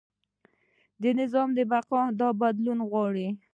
د نظام بقا دا بدلون غواړي.